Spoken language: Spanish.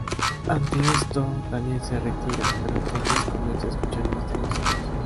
Ante esto, Daniel se retira, pero entonces comienza a escuchar misteriosas voces.